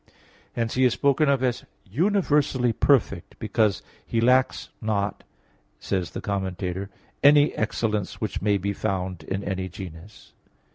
Hence He is spoken of as universally perfect, because He lacks not (says the Commentator, Metaph. v) any excellence which may be found in any genus.